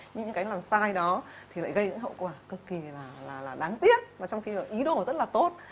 nhưng những cái làm sai đó thì lại gây những hậu quả cực kỳ là đáng tiếc mà trong khi ý đồ rất là tốt